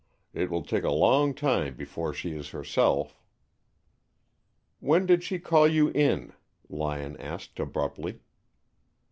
It will take a long time before she is herself." "When did she call you in?" Lyon asked abruptly.